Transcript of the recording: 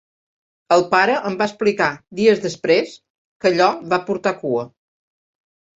El pare em va explicar, dies després, que allò va portar cua.